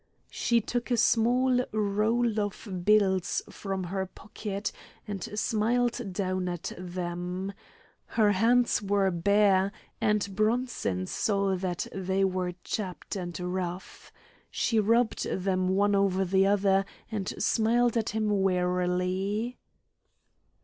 She took a small roll of bills from her pocket and smiled down at them. Her hands were bare, and Bronson saw that they were chapped and rough. She rubbed them one over the other, and smiled at him wearily.